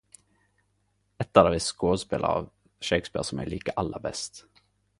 Eit av dei skodspela av Shakespeare som eg liker aller best.